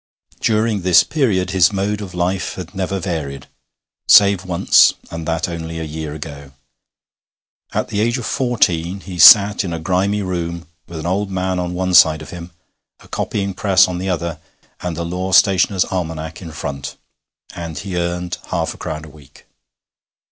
During this period his mode of life had never varied, save once, and that only a year ago. At the age of fourteen he sat in a grimy room with an old man on one side of him, a copying press on the other, and a law stationer's almanac in front, and he earned half a crown a week.